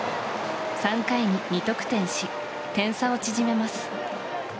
３回に２得点し点差を縮めます。